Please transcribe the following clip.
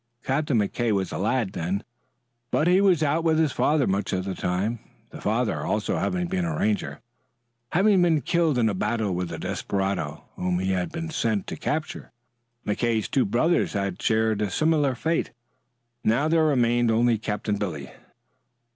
Captain McKay was a lad then, but he was out with his father much of the time, the father also having been a Ranger, having been killed in a battle with a desperado whom he had been sent to capture. Captain McKay's two brothers had shared a similar fate. Now there remained only Captain Billy.